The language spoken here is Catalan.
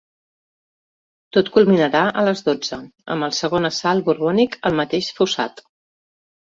Tot culminarà a les dotze, amb el segon assalt borbònic al mateix fossat.